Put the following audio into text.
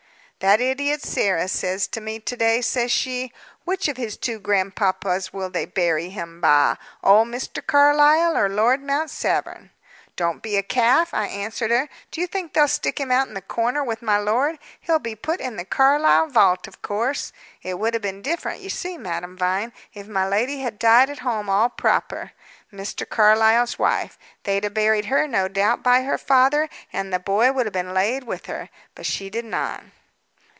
"That idiot, Sarah, says to me to day, says she, 'Which of his two grandpapas will they bury him by, old Mr. Carlyle or Lord Mount Severn?' 'Don't be a calf!' I answered her. 'D'ye think they'll stick him out in the corner with my lord? he'll be put into the Carlyle vault, of course,' It would have been different, you see, Madame Vine, if my lady had died at home, all proper Mr. Carlyle's wife. They'd have buried her, no doubt, by her father, and the boy would have been laid with her. But she did not."